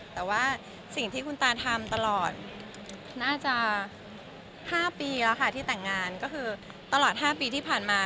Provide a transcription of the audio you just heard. แต่ว่าสิ่งที่คุณตาทำตลอดน่าจะ๕ปีแล้วค่ะที่แต่งงานก็คือตลอด๕ปีที่ผ่านมา